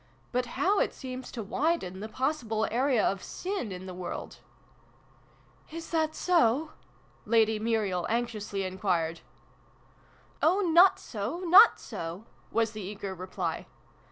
" But how it seems to widen the possible area of Sin in the world !" "Is that so ?" Lady Muriel anxiously enquired. " Oh, not so, not so !" was the eager reply.